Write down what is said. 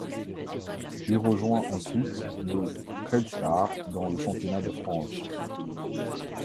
Il rejoint ensuite le Red Star dans le championnat de France.